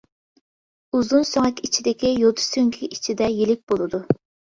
ئۇزۇن سۆڭەك ئىچىدىكى يوتا سۆڭىكى ئىچىدە يىلىك بولىدۇ.